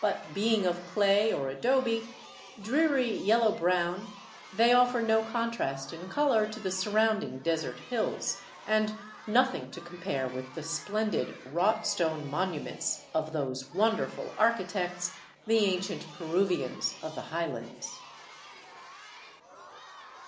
But being of clay or adobe, dreary, yellow brown, they offer no contrast in color to the surrounding desert hills, and nothing to compare with the splendid wrought stone monuments of those wonderful architects, the ancient Peruvians of the highlands.